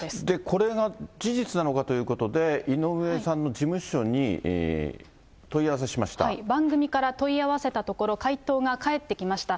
これが事実なのかということで、井上さんの事務所に問い合わ番組から問い合わせたところ、回答が返ってきました。